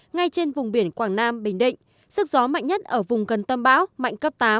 ngay trên vùng biển quảng nam bình định sức gió mạnh nhất ở vùng gần tâm bão mạnh cấp tám